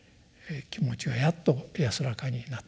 気持ちがやっと安らかになったと。